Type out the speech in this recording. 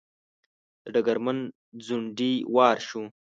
د ډګرمن ځونډي وار شو.